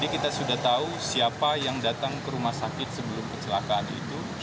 kita sudah tahu siapa yang datang ke rumah sakit sebelum kecelakaan itu